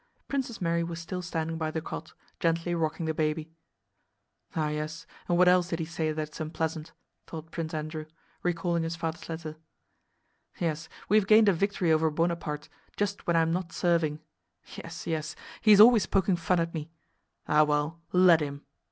Princess Mary was still standing by the cot, gently rocking the baby. "Ah yes, and what else did he say that's unpleasant?" thought Prince Andrew, recalling his father's letter. "Yes, we have gained a victory over Bonaparte, just when I'm not serving. Yes, yes, he's always poking fun at me.... Ah, well! Let him!"